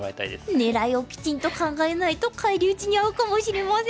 でも狙いをきちんと考えないと返り討ちに遭うかもしれません。